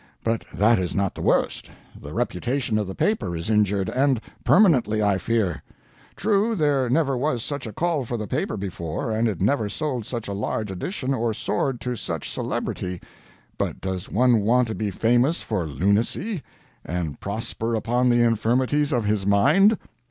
But that is not the worst. The reputation of the paper is injured and permanently, I fear. True, there never was such a call for the paper before, and it never sold such a large edition or soared to such celebrity but does one want to be famous for lunacy, and prosper upon the infirmities of his mind?